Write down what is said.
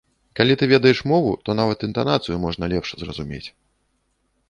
Калі ты ведаеш мову, то нават інтанацыю можна лепш зразумець.